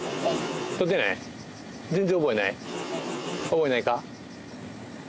覚えないか？